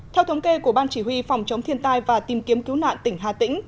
theo thống kê của ban chỉ huy phòng chống thiên tai và tìm kiếm cứu nạn tỉnh hà tĩnh